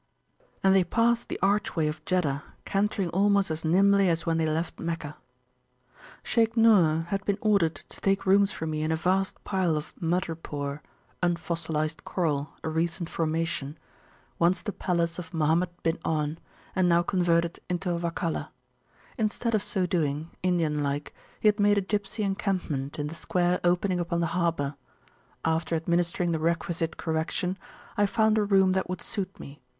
And they passed the archway of Jeddah cantering almost as nimbly as when they left Meccah. Shaykh Nur had been ordered to take rooms for me in a vast pile of madreporeunfossilized coral, a recent formation, once the palace of Mohammed bin Aun, and now converted into a Wakalah. Instead of so doing, Indian like, he had made a gipsy encampment in the square opening upon the harbour. After administering the requisite correction, I found a room that would suit me.